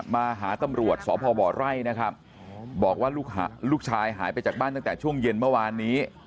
มาหาตำรวจสพบไร่นะครับบอกว่าลูกชายหายไปจากบ้านตั้งแต่ช่วงเย็นเมื่อวานนี้